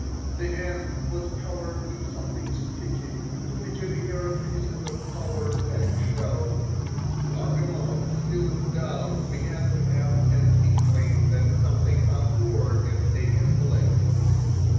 The hand was covered with something sticky, to which adhered pieces of coloured egg shell. Bargamot, still in doubt, began to have an inkling that something untoward had taken place.